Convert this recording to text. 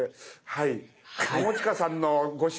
はい。